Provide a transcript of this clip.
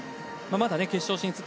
まだ決勝進出